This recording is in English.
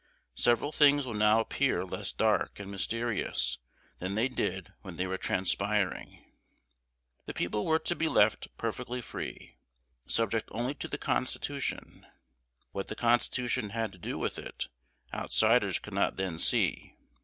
Several things will now appear less dark and mysterious than they did when they were transpiring. The people were to be left "perfectly free," "subject only to the Constitution." What the Constitution had to do with it, outsiders could not then see.